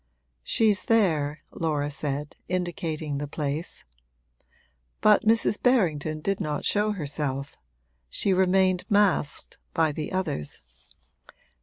'She's there,' Laura said, indicating the place; but Mrs. Berrington did not show herself she remained masked by the others.